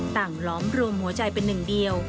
หลอมรวมหัวใจเป็นหนึ่งเดียว